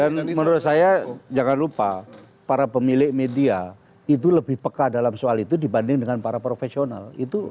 dan menurut saya jangan lupa para pemilik media itu lebih peka dalam soal itu dibanding dengan para profesional